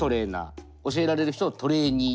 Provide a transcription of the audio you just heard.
教えられる人をトレーニー。